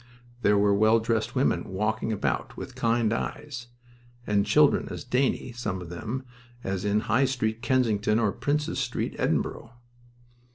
There were well dressed women walking about, with kind eyes, and children as dainty, some of them, as in High Street, Kensington, or Prince's Street, Edinburgh.